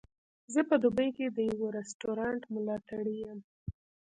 زه په دوبۍ کې د یوه رستورانت ملاتړی یم.